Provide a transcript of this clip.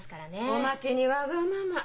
おまけにわがまま。